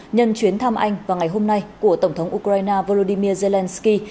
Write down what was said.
nhân chuyến thăm anh vào ngày hôm nay của tổng thống ukraine volodymyr zelensky